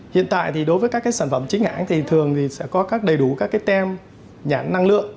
hiện tại thì đối với các cái sản phẩm chính hãng thì thường thì sẽ có các đầy đủ các cái tem nhãn năng lượng